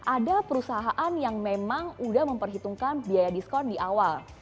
ada perusahaan yang memang udah memperhitungkan biaya diskon di awal